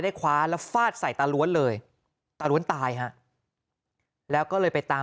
คว้าแล้วฟาดใส่ตาล้วนเลยตาล้วนตายฮะแล้วก็เลยไปตาม